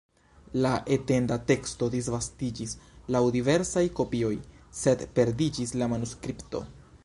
La etenda teksto disvastiĝis laŭ diversaj kopioj, sed perdiĝis la manuskripto.